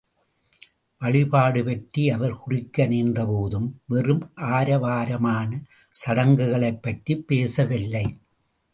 வழிபாடுபற்றி அவர் குறிக்க நேர்ந்தபோதும் வெறும் ஆரவாரமான சடங்குகளைப் பற்றிப் பேசவில்லை.